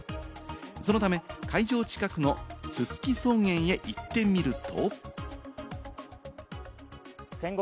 そのため会場近くのススキ草原へ行ってみると。